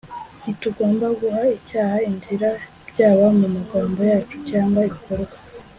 Ntitugomba guha icyaha inzira byaba mu magambo yacu cyangwa ibikorwa